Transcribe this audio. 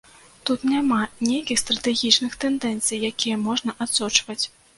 Тут няма нейкіх стратэгічных тэндэнцый, якія можна адсочваць.